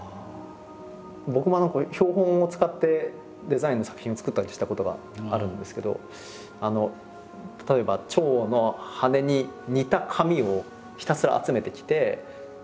僕も標本を使ってデザインの作品を作ったりしたことがあるんですけど例えば蝶の羽に似た紙をひたすら集めてきて。